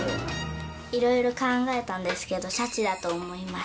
いろいろ考えたんですけど、シャチだと思います。